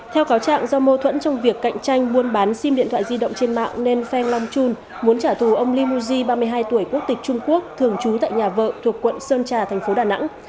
theo cáo trạng do mô thuẫn trong việc cạnh tranh muôn bán sim điện thoại di động trên mạng nên pheng long chun muốn trả thù ông limuji ba mươi hai tuổi quốc tịch trung quốc thường trú tại nhà vợ thuộc quận sơn trà tp đà nẵng